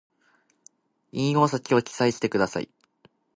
引用先を記載してください